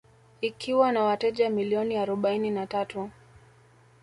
Ikiwa na wateja milioni arobaini na tatu